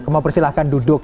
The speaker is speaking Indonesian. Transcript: kamu persilahkan duduk